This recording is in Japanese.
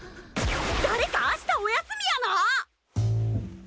だれかあしたお休みやな！？